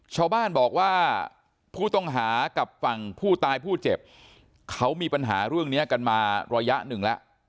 ชาวบ้านบอกว่าผู้ต้องหากับฝั่งผู้ตายผู้เจ็บเขามีปัญหาเรื่องนี้กันมาระยะหนึ่งแล้ว